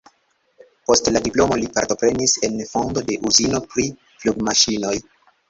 Post la diplomo li partoprenis en fondo de uzino pri flugmaŝinoj.